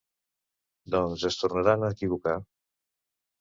Doncs es tornaran a equivocar.